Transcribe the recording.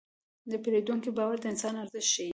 د پیرودونکي باور د انسان ارزښت ښيي.